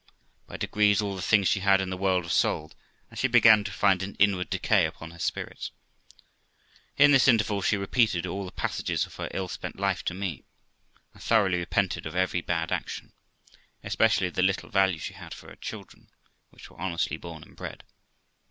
By degrees all the things she had in the world were sold, and she began to find an inward decay upon her spirits. In this interval she repeated all the passages of her ill spent life to me, and thoroughly repented of every bad action, especially the little value she had for her children, which were honestly born and bred.